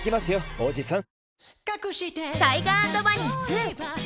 おじさん。